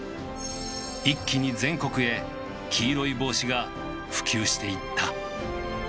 一気に全国へ黄色い帽子が普及していった。